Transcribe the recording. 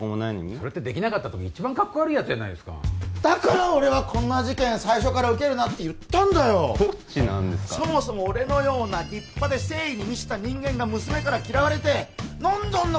それってできなかった時に一番カッコ悪いやつじゃないですかだから俺はこんな事件最初から受けるなって言ったんだどっちなんですかそもそも俺のような立派で誠意に満ちた人間が娘から嫌われて何であんな